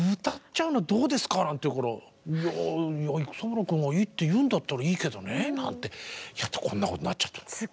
歌っちゃうのどうですかなんて言うからいやいや育三郎くんがいいって言うんだったらいいけどねなんてやったらこんなことになっちゃったの。